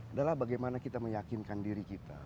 adalah bagaimana kita meyakinkan diri kita